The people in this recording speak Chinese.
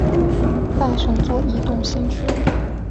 大熊座移动星群